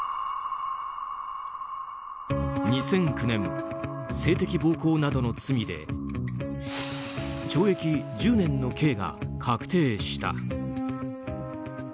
２００９年、性的暴行などの罪で懲役１０年の刑が確定した。